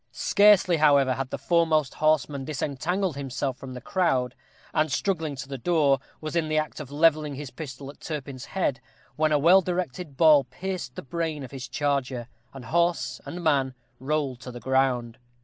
Scarcely, however, had the foremost horseman disentangled himself from the crowd, and, struggling to the door, was in the act of levelling his pistol at Turpin's head, when a well directed ball pierced the brain of his charger, and horse and man rolled to the ground.